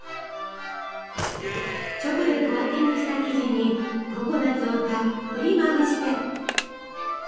チョコでコーティングした生地にココナツをたっぷりまぶして。